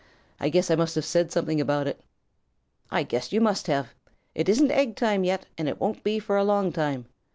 I guess I must have said something about it." "I guess you must have. It isn't egg time yet, and it won't be for a long time.